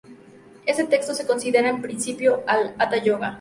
Ese texto se considera el principio del "hatha yoga".